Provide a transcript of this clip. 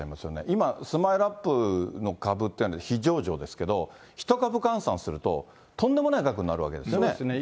今、スマイルアップの株っていうのは非上場ですけど、１株換算すると、とんでもない額になるわけそうですね。